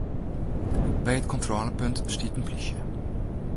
By it kontrôlepunt stiet in plysje.